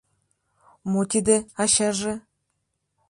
Мо тиде, ачаже?..